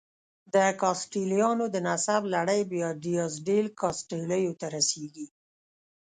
د کاسټیلویانو د نسب لړۍ بیا دیاز ډیل کاسټیلو ته رسېږي.